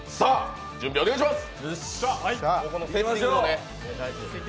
さあ、準備をお願いします。